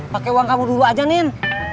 pakai uang kamu dulu aja nin